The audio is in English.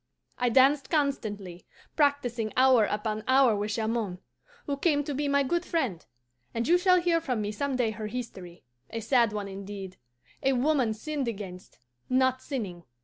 "I danced constantly, practising hour upon hour with Jamond, who came to be my good friend; and you shall hear from me some day her history a sad one indeed; a woman sinned against, not sinning.